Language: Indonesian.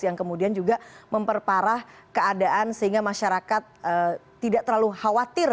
yang kemudian juga memperparah keadaan sehingga masyarakat tidak terlalu khawatir